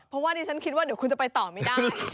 เพราะว่าดิฉันคิดว่าเดี๋ยวคุณจะไปต่อไม่ได้